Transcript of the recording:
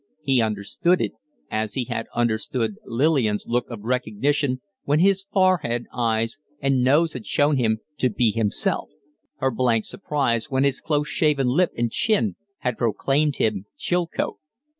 He understood it, as he had understood Lillian's look of recognition when his forehead, eyes, and nose had shown him to be himself; her blank surprise when his close shaven lip and chin had proclaimed him Chilcote.